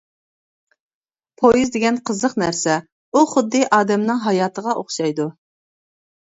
پويىز دېگەن قىزىق نەرسە، ئۇ خۇددى ئادەمنىڭ ھاياتىغا ئوخشايدۇ.